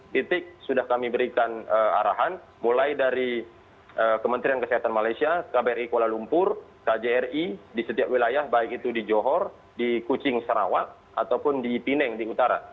titik sudah kami berikan arahan mulai dari kementerian kesehatan malaysia kbri kuala lumpur kjri di setiap wilayah baik itu di johor di kucing sarawak ataupun di pineng di utara